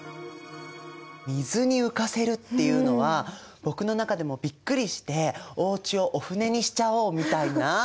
水に浮かせるっていうのは僕の中でもびっくりしておうちをお船にしちゃおうみたいな？